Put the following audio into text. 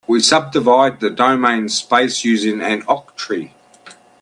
We subdivide the domain space using an octree.